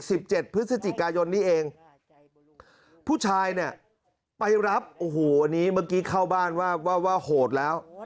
สิบเจ็ดพฤศจิกายนนี้เองผู้ชายเนี่ยไปรับโอ้โหอันนี้เมื่อกี้เข้าบ้านว่าว่าโหดแล้ว